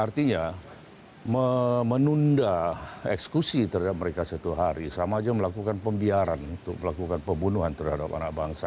artinya menunda eksekusi terhadap mereka satu hari sama aja melakukan pembiaran untuk melakukan pembunuhan terhadap anak bangsa